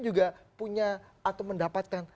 juga punya atau mendapatkan